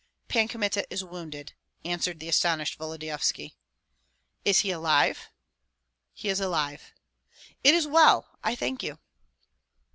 "Pan Kmita is wounded," answered the astonished Volodyovski. "Is he alive?" "He is alive." "It is well! I thank you."